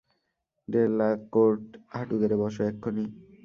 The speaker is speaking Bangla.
ডেলাকোর্ট, হাটু গেড়ে বসো, এক্ষুণি!